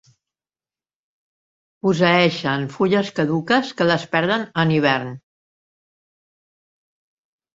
Posseeixen fulles caduques que les perden en hivern.